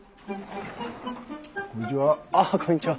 こんにちは。